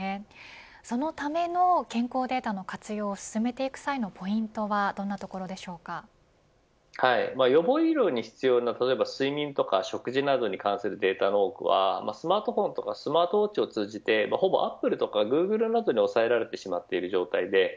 そのための健康データの活用を進めていく際のポイントは予防医療に必要な睡眠や食事などに関するデータの多くはスマートフォンやスマートウォッチを通じてアップルやグーグルなどにほぼ押さえられている状態です。